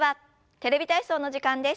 「テレビ体操」の時間です。